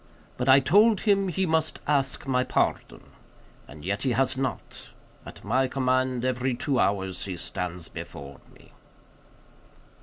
But I told him he must ask my pardon. As yet he has not. At my command, every two hours he stands before me."